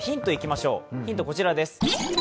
ヒントはこちらです。